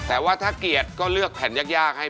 มันก็ใช่มันก็ใช่มันก็ใช่